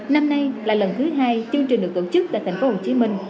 năm nay là lần thứ hai chương trình được tổ chức tại tp hcm